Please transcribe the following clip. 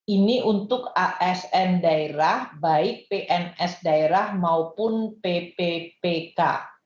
ini untuk asn daerah baik pns daerah maupun pppk